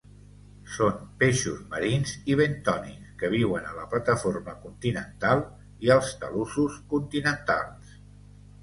Són peixos marins i bentònics que viuen a la plataforma continental i els talussos continentals.